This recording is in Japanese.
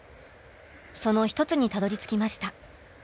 その一つにたどり着きました。